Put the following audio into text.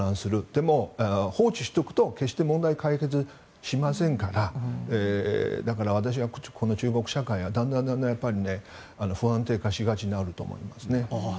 でも、放置しておくと決して問題解決しませんからだから私はこの中国社会はだんだん不安定化しがちになると思います。